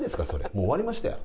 もう終わりましたよ。